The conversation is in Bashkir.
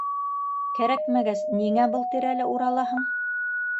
- Кәрәкмәгәс, ниңә был тирәлә уралаһың?